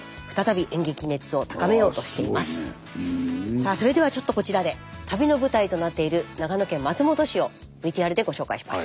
さあそれではちょっとこちらで旅の舞台となっている長野県松本市をＶＴＲでご紹介します。